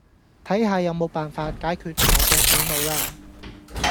睇下有冇辦法解決我嘅苦惱啦